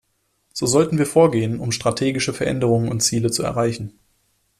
So sollten wir vorgehen, um strategische Veränderungen und Ziele zu erreichen.